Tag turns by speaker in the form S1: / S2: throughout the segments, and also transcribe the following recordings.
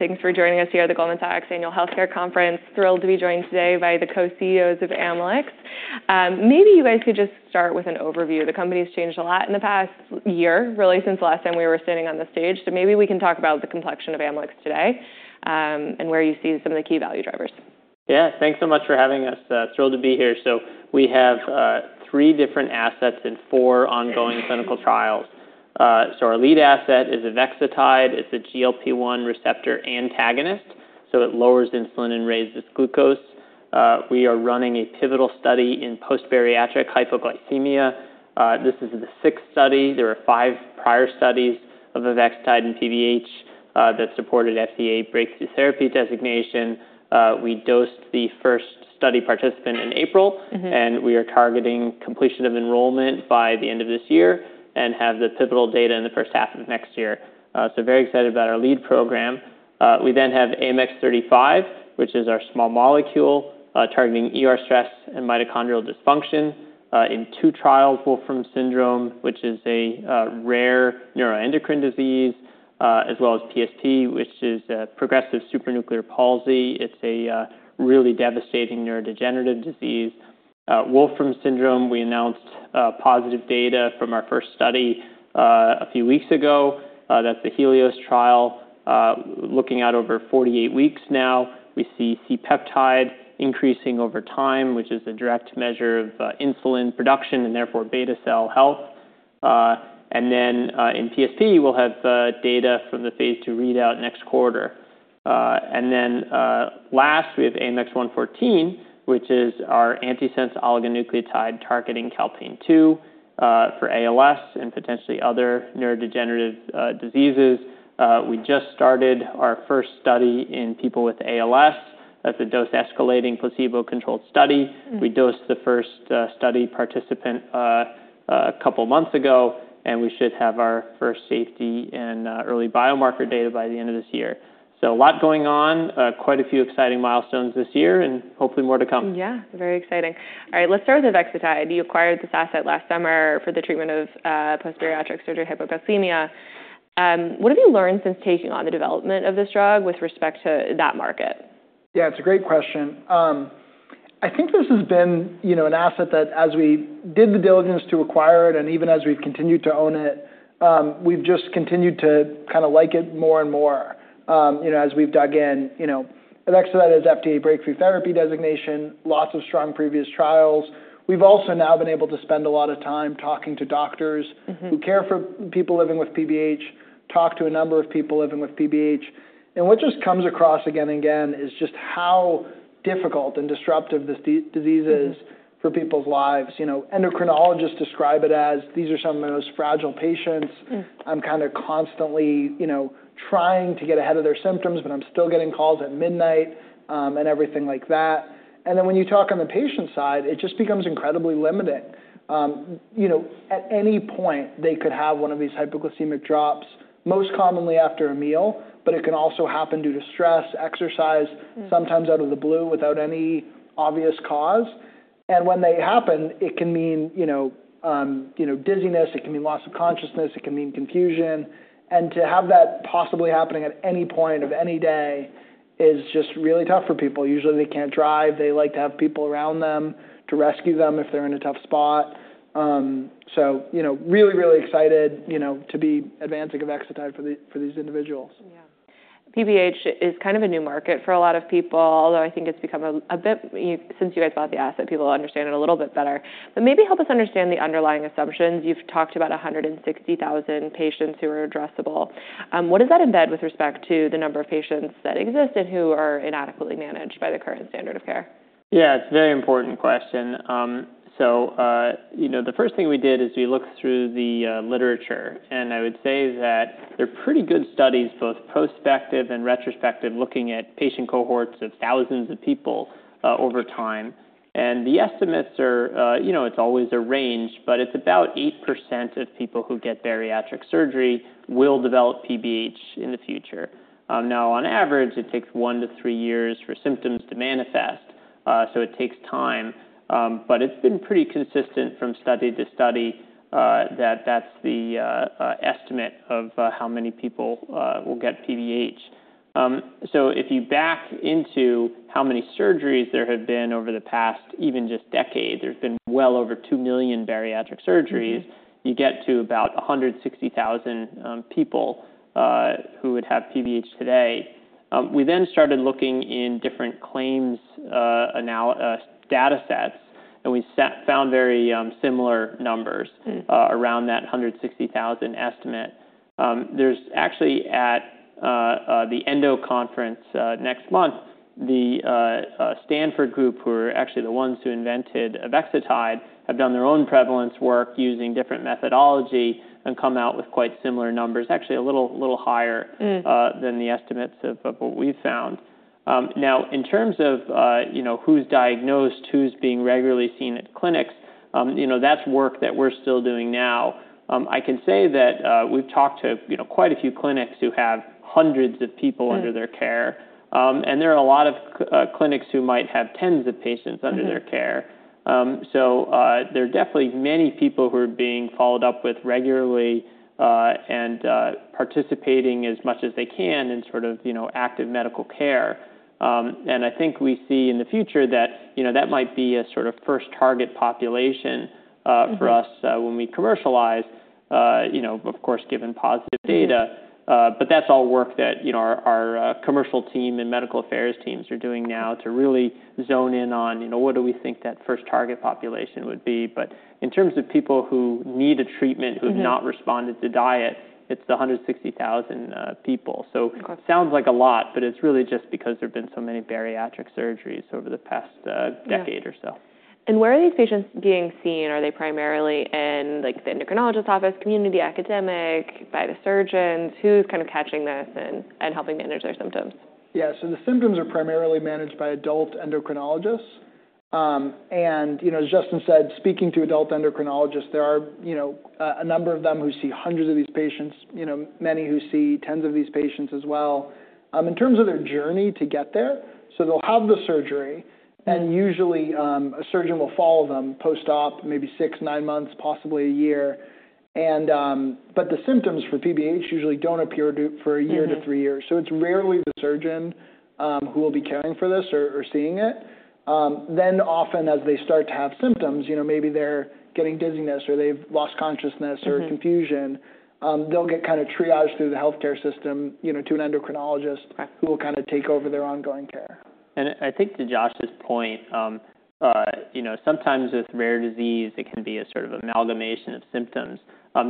S1: Thanks for joining us here at the Goldman Sachs Annual Healthcare Conference. Thrilled to be joined today by the co-CEOs of Amylyx. Maybe you guys could just start with an overview. The company's changed a lot in the past year, really, since the last time we were standing on the stage. Maybe we can talk about the complexion of Amylyx today, and where you see some of the key value drivers.
S2: Yeah, thanks so much for having us. Thrilled to be here. We have three different assets and four ongoing clinical trials. Our lead asset is Avexitide. It's a GLP-1 receptor antagonist, so it lowers insulin and raises glucose. We are running a pivotal study in post-bariatric hypoglycemia. This is the sixth study. There were five prior studies of Avexitide and PBH that supported FDA Breakthrough Therapy designation. We dosed the first study participant in April, and we are targeting completion of enrollment by the end of this year and have the pivotal data in the first half of next year. Very excited about our lead program. We then have AMX0035, which is our small molecule targeting stress and mitochondrial dysfunction, in two trials: Wolfram syndrome, which is a rare neuroendocrine disease, as well as PSP, which is a progressive supranuclear palsy. It's a really devastating neurodegenerative disease. Wolfram syndrome, we announced positive data from our first study a few weeks ago, that's the HELIOS trial, looking out over 48 weeks. Now we see C-peptide increasing over time, which is a direct measure of insulin production and therefore beta cell health. And then, in PSP, we'll have data from the phase II readout next quarter. And then, last, we have AMX0114, which is our antisense oligonucleotide targeting calpain-2, for ALS and potentially other neurodegenerative diseases. We just started our first study in people with ALS. That's a dose-escalating placebo-controlled study. We dosed the first study participant a couple months ago, and we should have our first safety and early biomarker data by the end of this year. A lot going on, quite a few exciting milestones this year and hopefully more to come.
S1: Yeah, very exciting. All right, let's start with Avexitide. You acquired this asset last summer for the treatment of post-bariatric surgery hypoglycemia. What have you learned since taking on the development of this drug with respect to that market?
S3: Yeah, it's a great question. I think this has been, you know, an asset that as we did the diligence to acquire it, and even as we've continued to own it, we've just continued to kind of like it more and more. You know, as we've dug in, you know, Avexitide has FDA Breakthrough Therapy designation, lots of strong previous trials. We've also now been able to spend a lot of time talking to doctors who care for people living with PBH, talk to a number of people living with PBH. And what just comes across again and again is just how difficult and disruptive this disease is for people's lives. You know, endocrinologists describe it as, these are some of the most fragile patients. I'm kind of constantly, you know, trying to get ahead of their symptoms, but I'm still getting calls at midnight, and everything like that. When you talk on the patient side, it just becomes incredibly limiting. You know, at any point they could have one of these hypoglycemic drops, most commonly after a meal, but it can also happen due to stress, exercise, sometimes out of the blue without any obvious cause. When they happen, it can mean, you know, dizziness, it can mean loss of consciousness, it can mean confusion. To have that possibly happening at any point of any day is just really tough for people. Usually they cannot drive. They like to have people around them to rescue them if they are in a tough spot. You know, really, really excited, you know, to be advancing Avexitide for these individuals.
S1: Yeah. PBH is kind of a new market for a lot of people, although I think it's become a bit, since you guys bought the asset, people understand it a little bit better. Maybe help us understand the underlying assumptions. You've talked about 160,000 patients who are addressable. What does that embed with respect to the number of patients that exist and who are inadequately managed by the current standard of care?
S2: Yeah, it's a very important question. So, you know, the first thing we did is we looked through the literature, and I would say that there are pretty good studies, both prospective and retrospective, looking at patient cohorts of thousands of people over time. And the estimates are, you know, it's always a range, but it's about 8% of people who get bariatric surgery will develop PBH in the future. Now on average, it takes one to three years for symptoms to manifest. So it takes time. But it's been pretty consistent from study to study that that's the estimate of how many people will get PBH. So if you back into how many surgeries there have been over the past, even just decade, there's been well over 2 million bariatric surgeries. You get to about 160,000 people who would have PBH today. We then started looking in different claims, analysis, data sets, and we found very similar numbers, around that 160,000 estimate. There's actually at the ENDO Conference next month, the Stanford group, who are actually the ones who invented Avexitide, have done their own prevalence work using different methodology and come out with quite similar numbers, actually a little, little higher than the estimates of what we've found. Now in terms of, you know, who's diagnosed, who's being regularly seen at clinics, you know, that's work that we're still doing now. I can say that we've talked to, you know, quite a few clinics who have hundreds of people under their care. And there are a lot of clinics who might have tens of patients under their care. So, there are definitely many people who are being followed up with regularly, and participating as much as they can in sort of, you know, active medical care. And I think we see in the future that, you know, that might be a sort of first target population for us when we commercialize, you know, of course, given positive data. But that's all work that, you know, our commercial team and medical affairs teams are doing now to really zone in on, you know, what do we think that first target population would be. But in terms of people who need a treatment, who have not responded to diet, it's the 160,000 people. So it sounds like a lot, but it's really just because there have been so many bariatric surgeries over the past decade or so.
S1: Where are these patients being seen? Are they primarily in like the endocrinologist's office, community academic, by the surgeons? Who's kind of catching this and helping manage their symptoms?
S3: Yeah, so the symptoms are primarily managed by adult endocrinologists. And, you know, as Justin said, speaking to adult endocrinologists, there are, you know, a number of them who see hundreds of these patients, you know, many who see tens of these patients as well. In terms of their journey to get there, so they'll have the surgery and usually, a surgeon will follow them post-op, maybe six, nine months, possibly a year. And, but the symptoms for PBH usually don't appear for a year to three years. So it's rarely the surgeon, who will be caring for this or, or seeing it. Then often as they start to have symptoms, you know, maybe they're getting dizziness or they've lost consciousness or confusion, they'll get kind of triaged through the healthcare system, you know, to an endocrinologist who will kind of take over their ongoing care.
S2: I think to Josh's point, you know, sometimes with rare disease, it can be a sort of amalgamation of symptoms.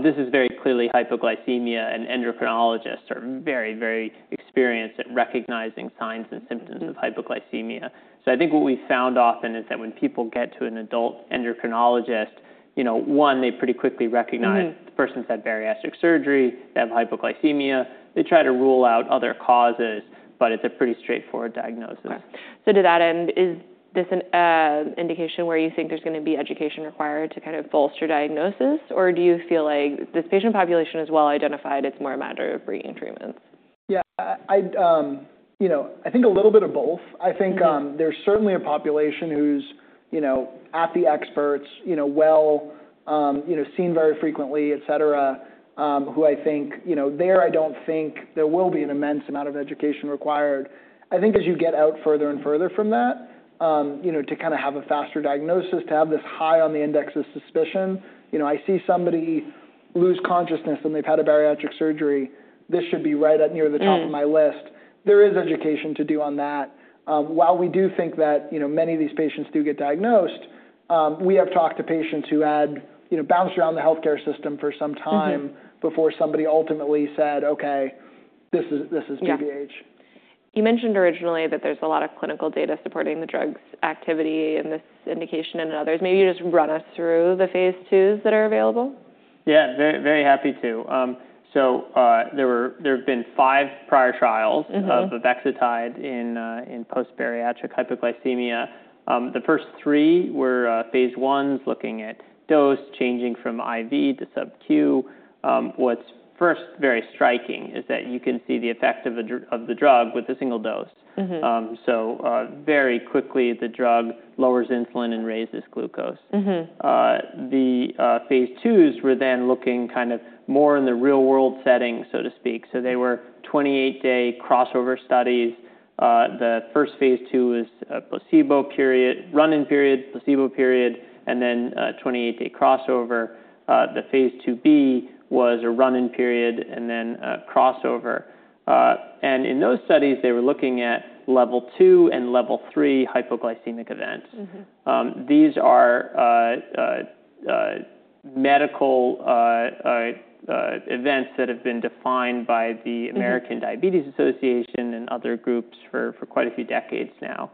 S2: This is very clearly hypoglycemia, and endocrinologists are very, very experienced at recognizing signs and symptoms of hypoglycemia. I think what we found often is that when people get to an adult endocrinologist, you know, one, they pretty quickly recognize the person's had bariatric surgery, they have hypoglycemia, they try to rule out other causes, but it's a pretty straightforward diagnosis.
S1: To that end, is this an indication where you think there's going to be education required to kind of bolster diagnosis, or do you feel like this patient population is well identified? It's more a matter of breeding treatments.
S3: Yeah, I, you know, I think a little bit of both. I think there's certainly a population who's, you know, at the experts, you know, well, you know, seen very frequently, et cetera, who I think, you know, there, I don't think there will be an immense amount of education required. I think as you get out further and further from that, you know, to kind of have a faster diagnosis, to have this high on the index of suspicion, you know, I see somebody lose consciousness and they've had a bariatric surgery. This should be right at near the top of my list. There is education to do on that. While we do think that, you know, many of these patients do get diagnosed, we have talked to patients who had, you know, bounced around the healthcare system for some time before somebody ultimately said, okay, this is, this is PBH.
S1: You mentioned originally that there's a lot of clinical data supporting the drug's activity in this indication and others. Maybe you just run us through the phase twos that are available.
S2: Yeah, very, very happy to. So, there have been five prior trials of Avexitide in post-bariatric hypoglycemia. The first three were phase ones looking at dose, changing from IV to sub-Q. What's first very striking is that you can see the effect of the drug with a single dose. So, very quickly the drug lowers insulin and raises glucose. The phase twos were then looking kind of more in the real world setting, so to speak. They were 28-day crossover studies. The first phase II was a placebo period, running period, placebo period, and then 28-day crossover. The phase II-B was a running period and then crossover. In those studies, they were looking at level 2 and level 3 hypoglycemic events. These are medical events that have been defined by the American Diabetes Association and other groups for quite a few decades now.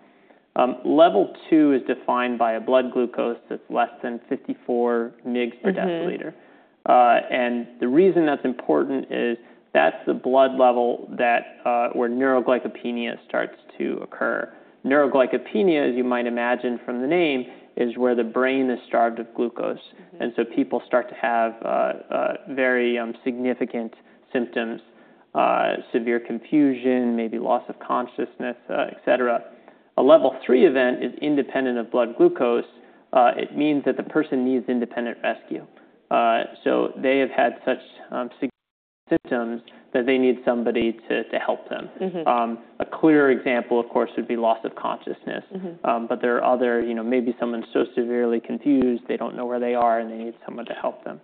S2: Level 2 is defined by a blood glucose that is less than 54 mg/dL. The reason that is important is that is the blood level where neuroglycopenia starts to occur. Neuroglycopenia, as you might imagine from the name, is where the brain is starved of glucose. People start to have very significant symptoms, severe confusion, maybe loss of consciousness, et cetera. A level 3 event is independent of blood glucose. It means that the person needs independent rescue. They have had such symptoms that they need somebody to help them. A clear example, of course, would be loss of consciousness. There are other situations, you know, maybe someone is so severely confused, they do not know where they are and they need someone to help them.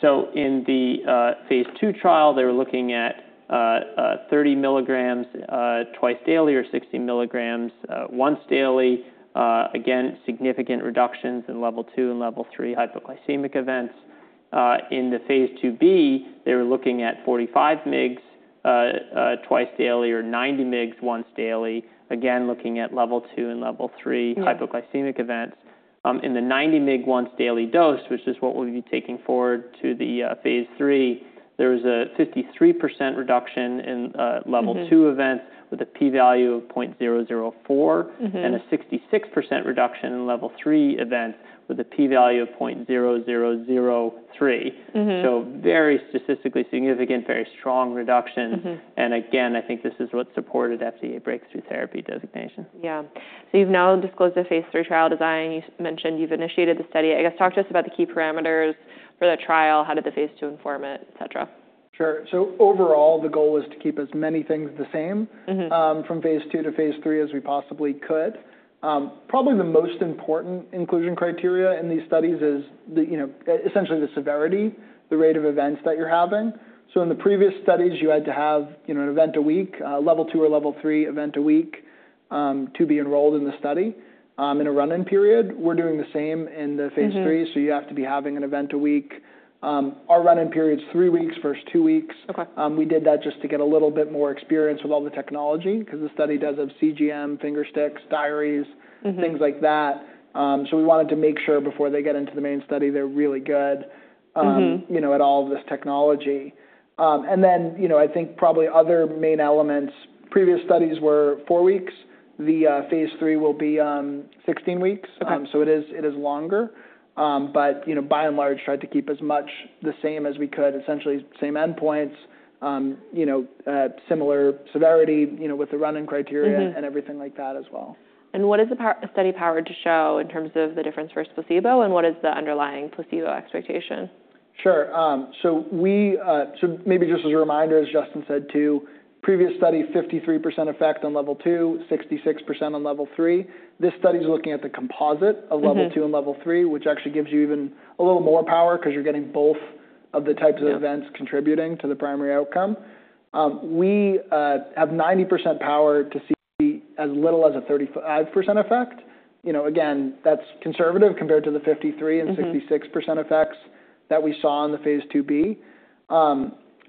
S2: So in the phase II trial, they were looking at 30 mg twice daily or 60 mg once daily. Again, significant reductions in level 2 and level 3 hypoglycemic events. In the phase II-B, they were looking at 45 mg twice daily or 90 mg once daily. Again, looking at level 2 and level 3 hypoglycemic events. In the 90 mg once daily dose, which is what we'll be taking forward to the phase III, there was a 53% reduction in level 2 events with a p-value of 0.004 and a 66% reduction in level 3 events with a p-value of 0.0003. Very statistically significant, very strong reduction. I think this is what supported FDA Breakthrough Therapy designation.
S1: Yeah. So you've now disclosed the phase III trial design. You mentioned you've initiated the study. I guess talk to us about the key parameters for the trial. How did the phase II inform it, et cetera?
S3: Sure. So overall, the goal was to keep as many things the same, from phase II to phase III as we possibly could. Probably the most important inclusion criteria in these studies is the, you know, essentially the severity, the rate of events that you're having. So in the previous studies, you had to have, you know, an event a week, level 2 or level 3 event a week, to be enrolled in the study, in a run-in period. We're doing the same in the phase III. So you have to be having an event a week. Our run-in period's three weeks, first two weeks. We did that just to get a little bit more experience with all the technology because the study does have CGM, finger-sticks, diaries, things like that. We wanted to make sure before they get into the main study, they're really good, you know, at all of this technology. And then, you know, I think probably other main elements, previous studies were four weeks. The phase III will be 16 weeks. It is longer. But, you know, by and large, tried to keep as much the same as we could, essentially same endpoints, you know, similar severity, you know, with the running criteria and everything like that as well.
S1: What is the study powered to show in terms of the difference versus placebo, and what is the underlying placebo expectation?
S3: Sure. So we, so maybe just as a reminder, as Justin said too, previous study, 53% effect on level 2, 66% on level 3. This study is looking at the composite of level 2 and level 3, which actually gives you even a little more power because you're getting both of the types of events contributing to the primary outcome. We have 90% power to see as little as a 35% effect. You know, again, that's conservative compared to the 53% and 66% effects that we saw in the phase II-B.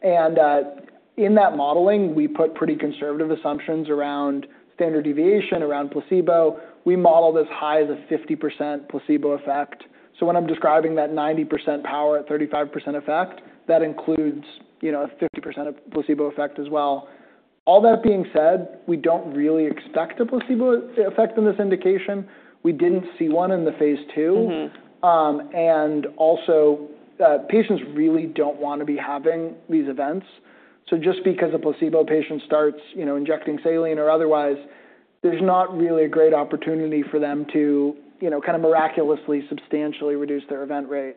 S3: And, in that modeling, we put pretty conservative assumptions around standard deviation, around placebo. We modeled as high as a 50% placebo effect. So when I'm describing that 90% power at 35% effect, that includes, you know, a 50% placebo effect as well. All that being said, we don't really expect a placebo effect in this indication. We did not see one in the phase II, and also, patients really do not want to be having these events. Just because a placebo patient starts, you know, injecting saline or otherwise, there is not really a great opportunity for them to, you know, kind of miraculously substantially reduce their event rate.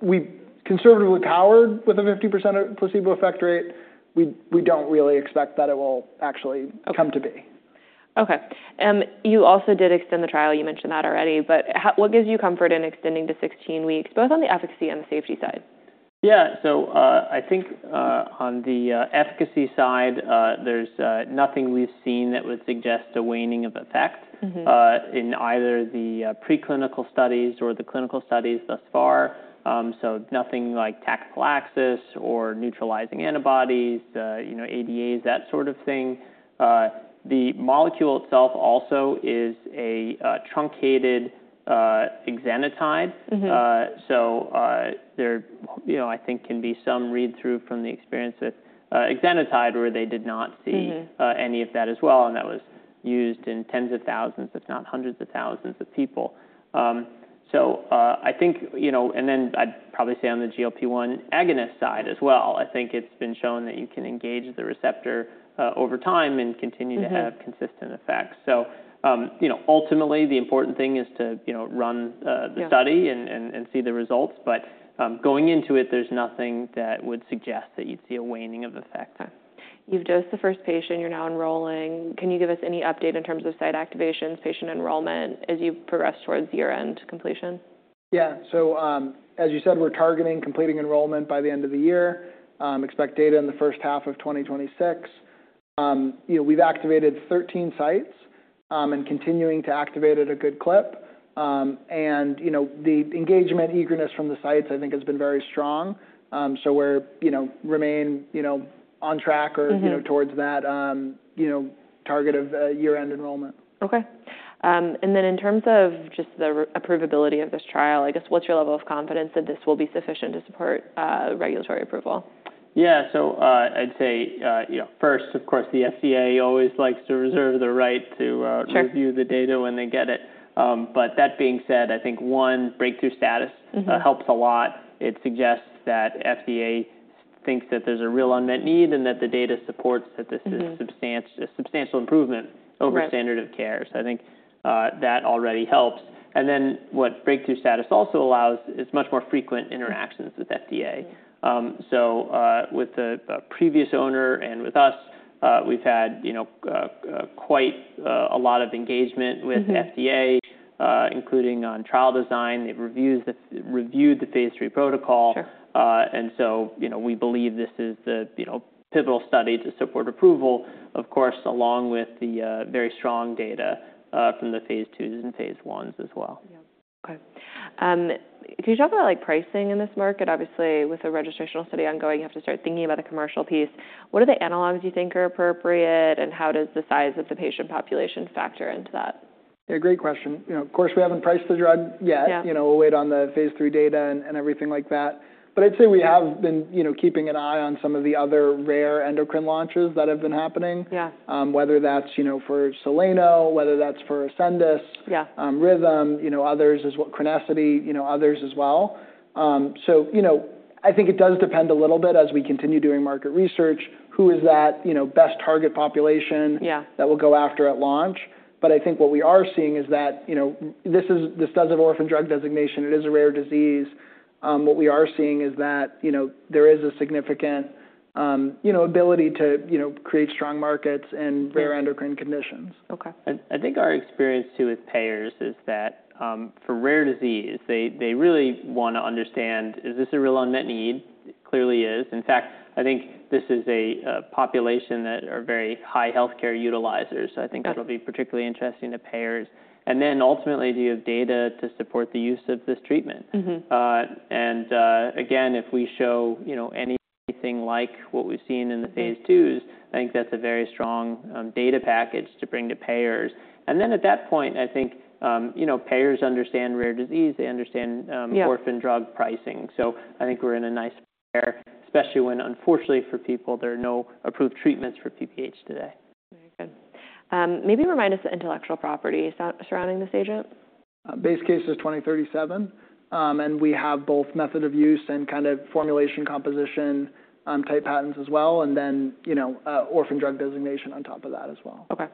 S3: We conservatively powered with a 50% placebo effect rate. We do not really expect that it will actually come to be.
S1: Okay. You also did extend the trial. You mentioned that already, but how, what gives you comfort in extending to 16 weeks, both on the efficacy and the safety side?
S2: Yeah. So, I think, on the efficacy side, there's nothing we've seen that would suggest a waning of effect, in either the preclinical studies or the clinical studies thus far. So nothing like tactical axis or neutralizing antibodies, you know, ADAs, that sort of thing. The molecule itself also is a truncated exenatide. So, there, you know, I think can be some read-through from the experience with exenatide where they did not see any of that as well. And that was used in tens of thousands, if not hundreds of thousands of people. So, I think, you know, and then I'd probably say on the GLP-1 agonist side as well, I think it's been shown that you can engage the receptor over time and continue to have consistent effects. So, you know, ultimately the important thing is to, you know, run the study and see the results. Going into it, there's nothing that would suggest that you'd see a waning of effect.
S1: You've dosed the first patient. You're now enrolling. Can you give us any update in terms of site activations, patient enrollment as you progress towards year-end completion?
S3: Yeah. So, as you said, we're targeting completing enrollment by the end of the year. Expect data in the first half of 2026. You know, we've activated 13 sites, and continuing to activate at a good clip. And, you know, the engagement, eagerness from the sites, I think has been very strong. So we're, you know, remain, you know, on track or, you know, towards that, you know, target of year-end enrollment.
S1: Okay. And then in terms of just the approvability of this trial, I guess what's your level of confidence that this will be sufficient to support regulatory approval?
S2: Yeah. I'd say, you know, first, of course, the FDA always likes to reserve the right to review the data when they get it. That being said, I think one, Breakthrough status helps a lot. It suggests that FDA thinks that there's a real unmet need and that the data supports that this is substantial, substantial improvement over standard of care. I think that already helps. What Breakthrough status also allows is much more frequent interactions with FDA. With the previous owner and with us, we've had, you know, quite a lot of engagement with FDA, including on trial design. They've reviewed the phase III protocol, and so, you know, we believe this is the pivotal study to support approval, of course, along with the very strong data from the phase twos and phase ones as well.
S1: Yeah. Okay. Can you talk about like pricing in this market? Obviously, with a registrational study ongoing, you have to start thinking about the commercial piece. What are the analogs you think are appropriate and how does the size of the patient population factor into that?
S3: Yeah, great question. You know, of course, we haven't priced the drug yet. You know, we'll wait on the phase III data and everything like that. But I'd say we have been, you know, keeping an eye on some of the other rare endocrine launches that have been happening, whether that's, you know, for Soleno, whether that's for Ascendis, Rhythm, you know, others, [Chronicity], you know, others as well. You know, I think it does depend a little bit as we continue doing market research, who is that, you know, best target population that we'll go after at launch. I think what we are seeing is that, you know, this does have Orphan Drug designation. It is a rare disease. what we are seeing is that, you know, there is a significant, you know, ability to, you know, create strong markets in rare endocrine conditions.
S2: Okay. I think our experience too with payers is that, for rare disease, they really want to understand, is this a real unmet need? Clearly is. In fact, I think this is a population that are very high healthcare utilizers. I think that'll be particularly interesting to payers. Ultimately, do you have data to support the use of this treatment? Again, if we show, you know, anything like what we've seen in the phase twos, I think that's a very strong data package to bring to payers. At that point, I think, you know, payers understand rare disease. They understand Orphan Drug pricing. I think we're in a nice pair, especially when unfortunately for people, there are no approved treatments for PBH today.
S1: Very good. Maybe remind us the intellectual property surrounding this agent.
S3: Base case is 2037. We have both method of use and kind of formulation composition, type patents as well. You know, Orphan Drug designation on top of that as well.
S1: Okay.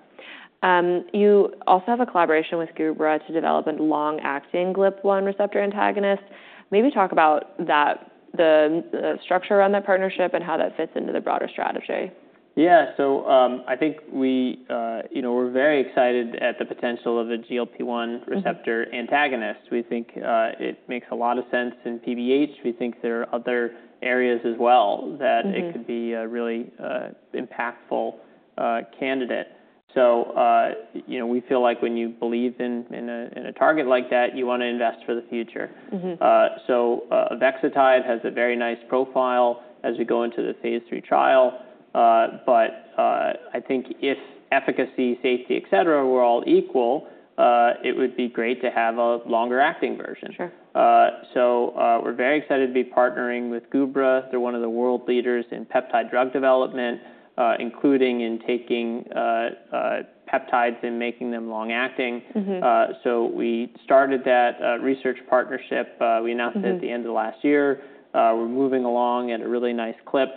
S1: You also have a collaboration with Gubra to develop a long-acting GLP-1 receptor antagonist. Maybe talk about that, the structure around that partnership and how that fits into the broader strategy.
S2: Yeah. I think we, you know, we're very excited at the potential of a GLP-1 receptor antagonist. We think it makes a lot of sense in PBH. We think there are other areas as well that it could be a really impactful candidate. You know, we feel like when you believe in a target like that, you want to invest for the future. Avexitide has a very nice profile as we go into the phase III trial. I think if efficacy, safety, et cetera, were all equal, it would be great to have a longer acting version. We're very excited to be partnering with Gubra. They're one of the world leaders in peptide drug development, including in taking peptides and making them long-acting. We started that research partnership. We announced it at the end of last year. We're moving along at a really nice clip.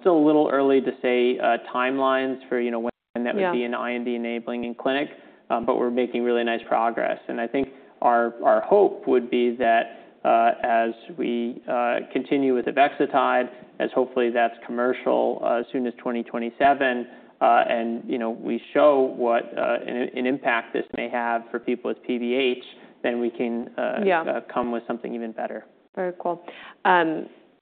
S2: Still a little early to say, timelines for, you know, when that would be an IND enabling in clinic. But we're making really nice progress. I think our hope would be that, as we continue with Avexitide, as hopefully that's commercial as soon as 2027, and, you know, we show what an impact this may have for people with PBH, then we can come with something even better.
S1: Very cool.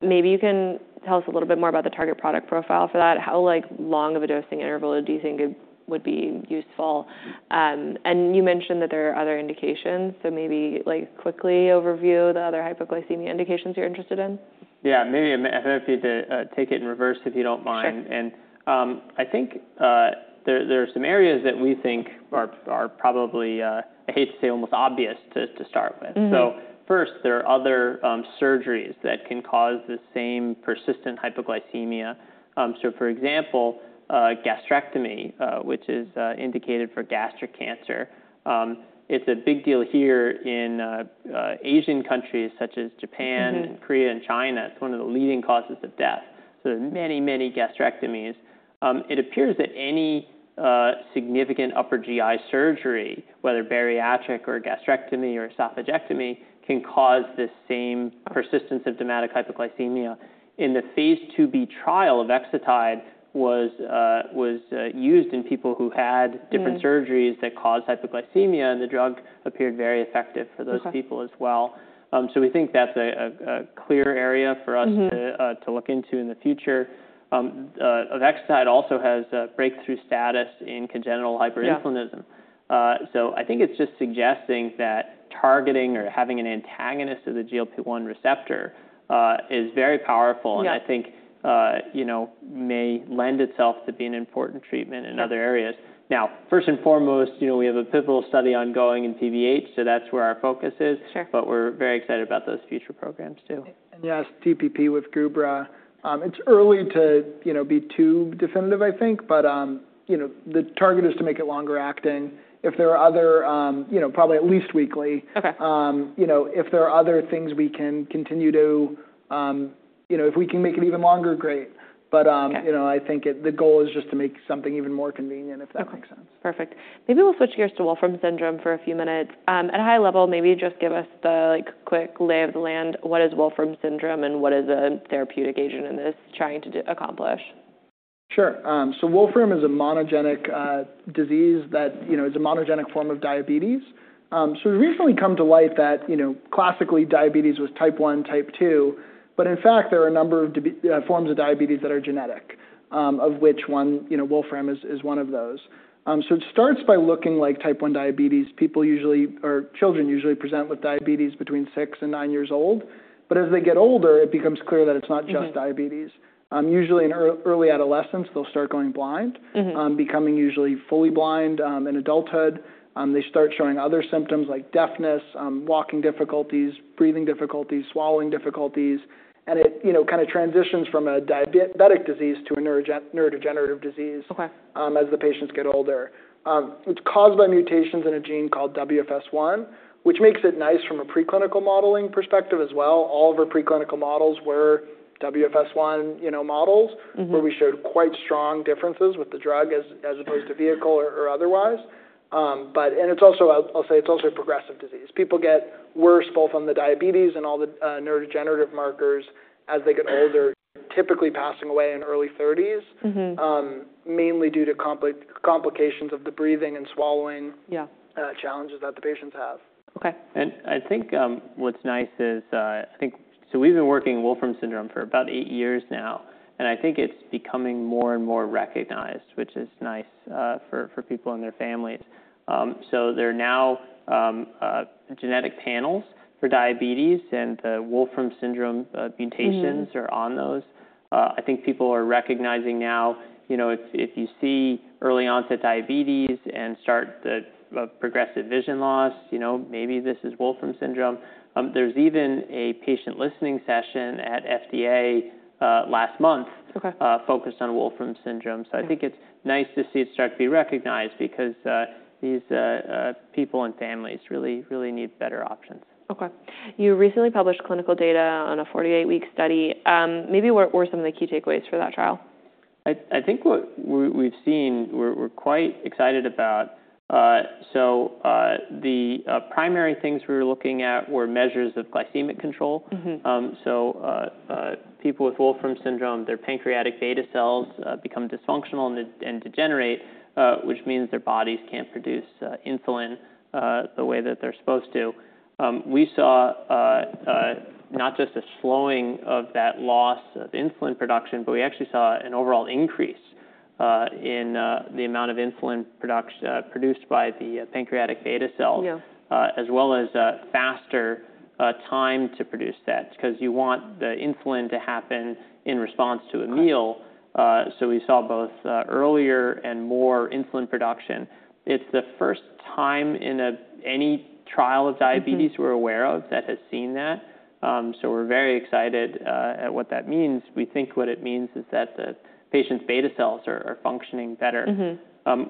S1: Maybe you can tell us a little bit more about the target product profile for that. How, like, long of a dosing interval do you think it would be useful? And you mentioned that there are other indications. So maybe, like, quickly overview the other hypoglycemia indications you're interested in.
S2: Yeah, maybe I'm happy to, take it in reverse if you don't mind. And, I think, there are some areas that we think are probably, I hate to say almost obvious to, to start with. First, there are other surgeries that can cause the same persistent hypoglycemia. For example, gastrectomy, which is indicated for gastric cancer. It's a big deal here in Asian countries such as Japan and Korea and China. It's one of the leading causes of death. There are many, many gastrectomies. It appears that any significant upper GI surgery, whether bariatric or gastrectomy or esophagectomy, can cause this same persistent symptomatic hypoglycemia. In the phase II-B trial of Avexitide, it was used in people who had different surgeries that caused hypoglycemia and the drug appeared very effective for those people as well. We think that's a clear area for us to look into in the future. Avexitide also has a breakthrough status in congenital hyperinsulinism. I think it's just suggesting that targeting or having an antagonist of the GLP-1 receptor is very powerful and I think, you know, may lend itself to being an important treatment in other areas. Now, first and foremost, you know, we have a pivotal study ongoing in PBH, so that's where our focus is, but we're very excited about those future programs too.
S3: Yes, TPP with Gubra. It's early to, you know, be too definitive, I think, but, you know, the target is to make it longer acting. If there are other, you know, probably at least weekly, you know, if there are other things we can continue to, you know, if we can make it even longer, great. I think the goal is just to make something even more convenient, if that makes sense.
S1: Perfect. Maybe we'll switch gears to Wolfram syndrome for a few minutes. At a high level, maybe just give us the, like, quick lay of the land. What is Wolfram syndrome and what is a therapeutic agent in this trying to accomplish?
S3: Sure. Wolfram is a monogenic disease that, you know, it's a monogenic form of diabetes. It's recently come to light that, you know, classically diabetes was Type one, Type two, but in fact, there are a number of forms of diabetes that are genetic, of which, you know, Wolfram is one of those. It starts by looking like type one diabetes. People usually, or children usually present with diabetes between six and nine years old, but as they get older, it becomes clear that it's not just diabetes. Usually in early adolescence, they'll start going blind, becoming usually fully blind in adulthood. They start showing other symptoms like deafness, walking difficulties, breathing difficulties, swallowing difficulties, and it, you know, kind of transitions from a diabetic disease to a neurodegenerative disease as the patients get older. It's caused by mutations in a gene called WFS1, which makes it nice from a preclinical modeling perspective as well. All of our preclinical models were WFS1, you know, models where we showed quite strong differences with the drug as opposed to vehicle or otherwise. I'll say it's also a progressive disease. People get worse both on the diabetes and all the neurodegenerative markers as they get older, typically passing away in early thirties, mainly due to complications of the breathing and swallowing challenges that the patients have.
S2: Okay. I think, what's nice is, I think, we've been working on Wolfram syndrome for about eight years now, and I think it's becoming more and more recognized, which is nice for people and their families. There are now genetic panels for diabetes and the Wolfram syndrome mutations are on those. I think people are recognizing now, you know, if you see early onset diabetes and start the progressive vision loss, you know, maybe this is Wolfram syndrome. There's even a patient listening session at FDA last month focused on Wolfram syndrome. I think it's nice to see it start to be recognized because these people and families really, really need better options.
S1: Okay. You recently published clinical data on a 48-week study. Maybe what were some of the key takeaways for that trial?
S2: I think what we've seen, we're quite excited about, so the primary things we were looking at were measures of glycemic control. People with Wolfram syndrome, their pancreatic beta cells become dysfunctional and degenerate, which means their bodies can't produce insulin the way that they're supposed to. We saw not just a slowing of that loss of insulin production, but we actually saw an overall increase in the amount of insulin production produced by the pancreatic beta cells, as well as a faster time to produce that because you want the insulin to happen in response to a meal. We saw both earlier and more insulin production. It's the first time in any trial of diabetes we're aware of that has seen that. We are very excited at what that means. We think what it means is that the patient's beta cells are functioning better.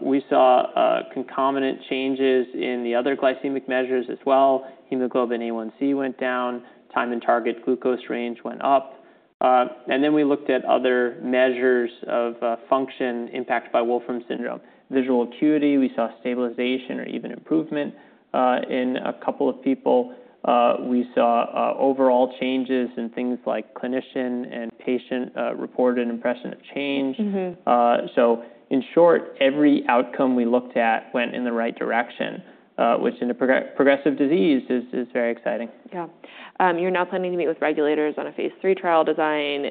S2: We saw concomitant changes in the other glycemic measures as well. Hemoglobin A1c went down, time in target glucose range went up. Then we looked at other measures of function impacted by Wolfram syndrome. Visual acuity, we saw stabilization or even improvement in a couple of people. We saw overall changes in things like clinician and patient reported impression of change. In short, every outcome we looked at went in the right direction, which in a progressive disease is very exciting.
S1: Yeah. You're now planning to meet with regulators on a phase III trial design.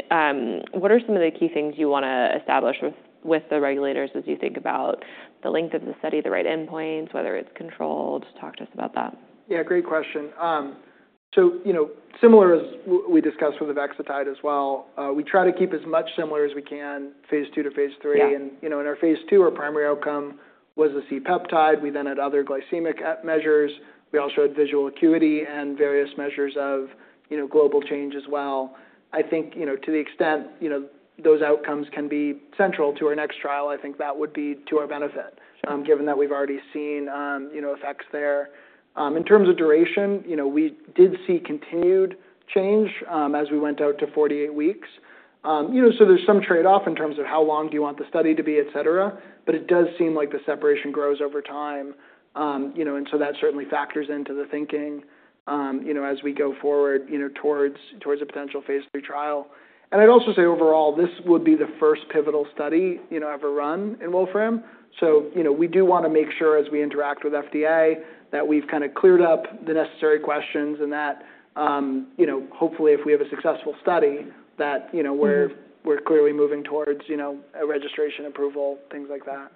S1: What are some of the key things you want to establish with the regulators as you think about the length of the study, the right endpoints, whether it's controlled? Talk to us about that.
S3: Yeah, great question. So, you know, similar as we discussed with Avexitide as well, we try to keep as much similar as we can phase II to phase III. And, you know, in our phase II, our primary outcome was a C-peptide. We then had other glycemic measures. We also had visual acuity and various measures of, you know, global change as well. I think, you know, to the extent, you know, those outcomes can be central to our next trial, I think that would be to our benefit, given that we've already seen, you know, effects there. In terms of duration, you know, we did see continued change, as we went out to 48 weeks. You know, so there's some trade-off in terms of how long do you want the study to be, et cetera, but it does seem like the separation grows over time, you know, and so that certainly factors into the thinking, you know, as we go forward, you know, towards a potential phase III trial. I'd also say overall, this would be the first pivotal study ever run in Wolfram. You know, we do want to make sure as we interact with FDA that we've kind of cleared up the necessary questions and that, you know, hopefully if we have a successful study that, you know, we're clearly moving towards a registration approval, things like that.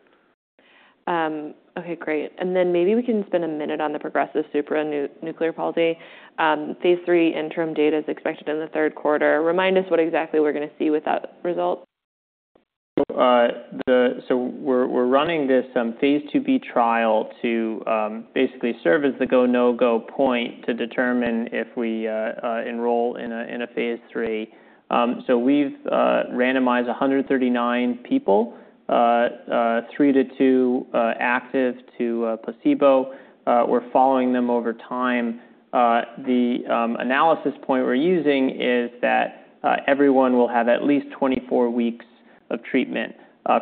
S1: Okay, great. Maybe we can spend a minute on the progressive supranuclear palsy. Phase III interim data is expected in the third quarter. Remind us what exactly we're going to see with that result.
S2: We're running this phase II-B trial to basically serve as the go/no-go point to determine if we enroll in a phase III. We've randomized 139 people, three to two, active to placebo. We're following them over time. The analysis point we're using is that everyone will have at least 24 weeks of treatment.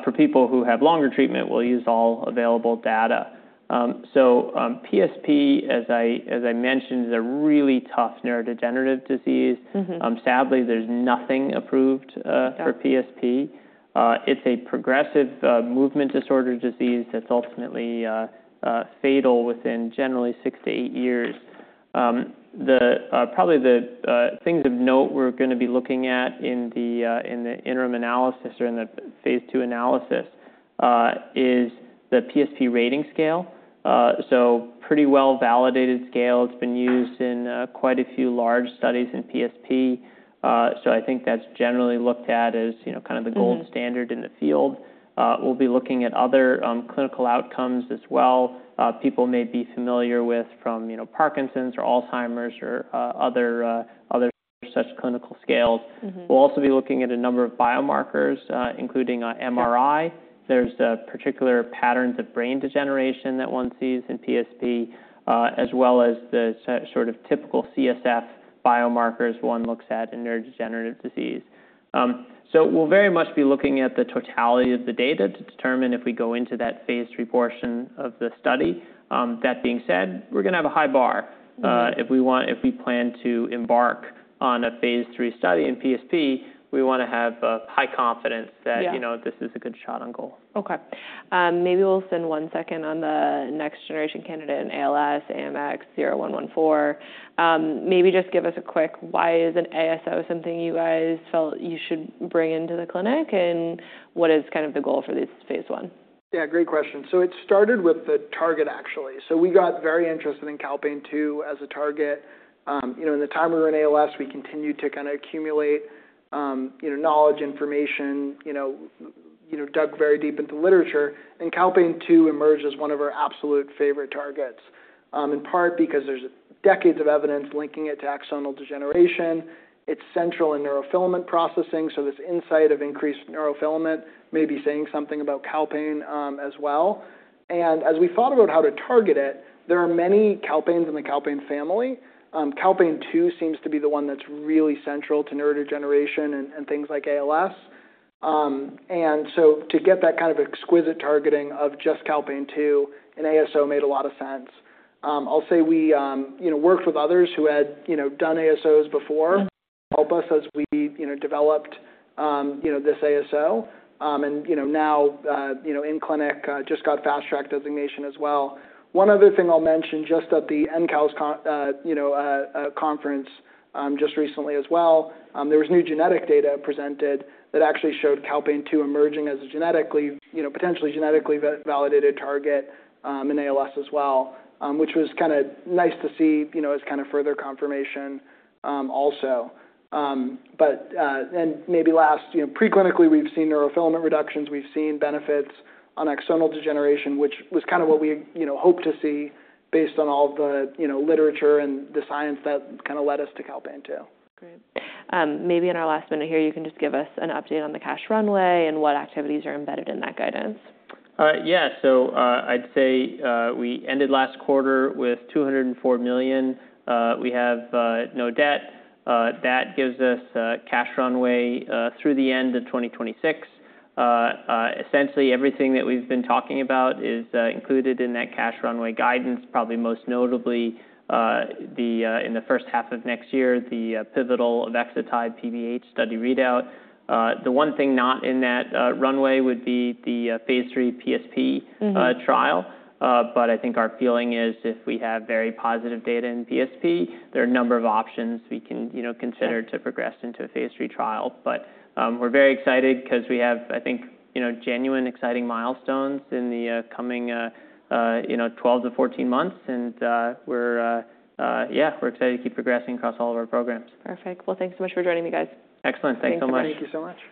S2: For people who have longer treatment, we'll use all available data. PSP, as I mentioned, is a really tough neurodegenerative disease. Sadly, there's nothing approved for PSP. It's a progressive movement disorder disease that's ultimately fatal within generally six to eight years. The things of note we're going to be looking at in the interim analysis or in the phase II analysis is the PSP rating scale, so pretty well-validated scale. It's been used in quite a few large studies in PSP. I think that's generally looked at as, you know, kind of the gold standard in the field. We'll be looking at other clinical outcomes as well. People may be familiar with from, you know, Parkinson's or Alzheimer's or other such clinical scales. We'll also be looking at a number of biomarkers, including MRI. There are particular patterns of brain degeneration that one sees in PSP, as well as the sort of typical CSF biomarkers one looks at in neurodegenerative disease. We'll very much be looking at the totality of the data to determine if we go into that phase III portion of the study. That being said, we're going to have a high bar. If we want, if we plan to embark on a phase III study in PSP, we want to have a high confidence that, you know, this is a good shot on goal.
S1: Okay. Maybe we'll spend one second on the next generation candidate in ALS, AMX0114. Maybe just give us a quick, why is an ASO something you guys felt you should bring into the clinic and what is kind of the goal for this phase I?
S3: Yeah, great question. It started with the target actually. We got very interested in calpain-2 as a target. You know, in the time we were in ALS, we continued to kind of accumulate, you know, knowledge, information, dug very deep into literature and calpain-2 emerged as one of our absolute favorite targets, in part because there's decades of evidence linking it to axonal degeneration. It's central in neurofilament processing. This insight of increased neurofilament may be saying something about calpain as well. As we thought about how to target it, there are many calpains in the calpain family. Calpain-2 seems to be the one that's really central to neurodegeneration and things like ALS. To get that kind of exquisite targeting of just calpain-2, an ASO made a lot of sense. I'll say we, you know, worked with others who had, you know, done ASOs before, helped us as we, you know, developed, you know, this ASO. And, you know, now, you know, in clinic, just got fast track designation as well. One other thing I'll mention just at the ENCALS, you know, conference, just recently as well, there was new genetic data presented that actually showed calpain-2 emerging as a genetically, you know, potentially genetically validated target, in ALS as well, which was kind of nice to see, you know, as kind of further confirmation, also. And maybe last, you know, preclinically we've seen neurofilament reductions, we've seen benefits on axonal degeneration, which was kind of what we, you know, hoped to see based on all the, you know, literature and the science that kind of led us to calpain-2.
S1: Great. Maybe in our last minute here, you can just give us an update on the cash runway and what activities are embedded in that guidance.
S2: Yeah. I'd say we ended last quarter with $204 million. We have no debt. That gives us cash runway through the end of 2026. Essentially everything that we've been talking about is included in that cash runway guidance, probably most notably, in the first half of next year, the pivotal Avexitide PBH study readout. The one thing not in that runway would be the phase III PSP trial. I think our feeling is if we have very positive data in PSP, there are a number of options we can, you know, consider to progress into a phase III trial. We're very excited because we have, I think, you know, genuine exciting milestones in the coming, you know, 12-14 months. We're, yeah, we're excited to keep progressing across all of our programs.
S1: Perfect. Thanks so much for joining me, guys.
S2: Excellent. Thanks so much.
S3: Thank you so much.